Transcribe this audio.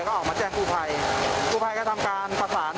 ก็ออกมาแจ้งครูพัยครูพัยก็ทำการประสาน